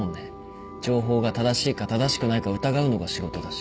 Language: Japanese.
情報が正しいか正しくないか疑うのが仕事だし。